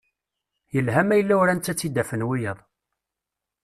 Yelha ma yella uran-tt ad tt-id-afen wiyaḍ.